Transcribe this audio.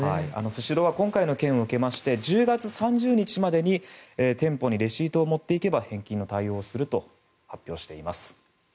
スシローは今回の件を受けまして１０月３０日までに店舗にレシートを持っていけば返金の対応をすると発表しています。